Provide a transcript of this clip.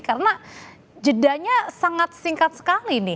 karena jedanya sangat singkat sekali nih